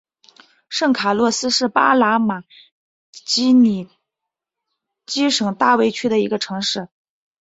圣卡洛斯是巴拿马奇里基省大卫区的一个城市。